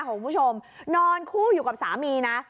คุณผู้ชมนอนคู่อยู่กับสามีนะ